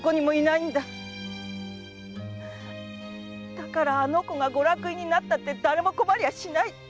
だからあの子がご落胤になっても誰も困りはしない！